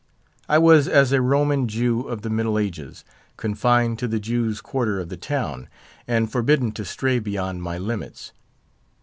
I was as a Roman Jew of the Middle Ages, confined to the Jews' quarter of the town, and forbidden to stray beyond my limits.